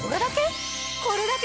これだけ？